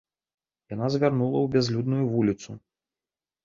Яна звярнула ў бязлюдную вуліцу.